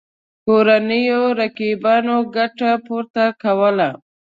کورنیو رقیبانو ګټه پورته کوله.